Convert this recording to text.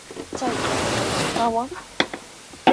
¿Chaytrawku kawan?